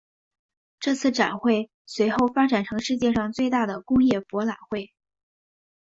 这次展会随后发展成世界上最大的工业博览会。